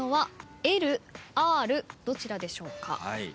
どちらでしょうか？